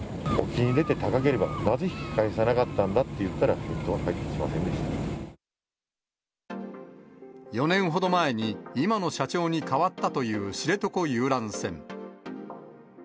沖に出て高ければ、なぜ引き返さなかったんだと言ったら、４年ほど前に、今の社長に変わったという知床遊覧船。